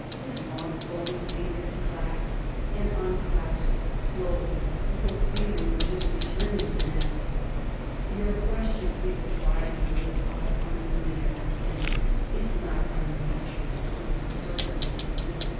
His long, bony fingers clasped and unclasped slowly, as though feeling were just returning to them. "Your question," he replied in his odd, unfamiliar accent, "is not unnatural, under the circumstances.